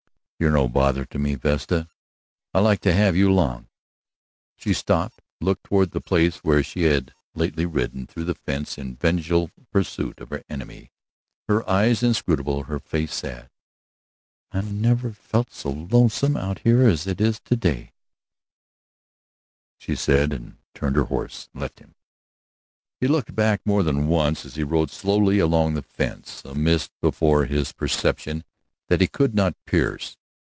"You're no bother to me, Vesta; I like to have you along." She stopped, looked toward the place where she had lately ridden through the fence in vengeful pursuit of her enemy, her eyes inscrutable, her face sad. "I never felt it so lonesome out here as it is today," she said, and turned her horse, and left him. He looked back more than once as he rode slowly along the fence, a mist before his perception that he could not pierce.